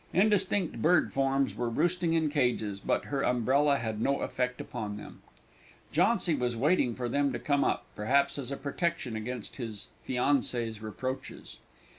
Indistinct bird forms were roosting in cages; but her umbrella had no effect upon them. Jauncy was waiting for them to come up, perhaps as a protection against his fiancée's reproaches.